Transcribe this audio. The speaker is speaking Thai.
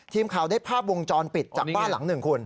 ทีมข่าวได้ภาพวงจรปิดจากบ้านหลังหนึ่งคุณ